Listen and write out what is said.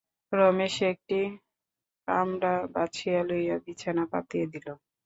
রমেশ একটি কামরা বাছিয়া লইয়া বিছানা পাতিয়া দিল।